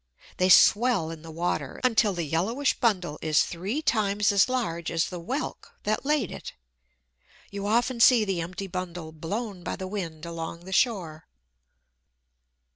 They swell in the water, until the yellowish bundle is three times as large as the Whelk that laid it. You often see the empty bundle blown by the wind along the shore.